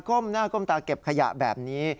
้มหน้าก้มตาเก็บขยะแบบนี้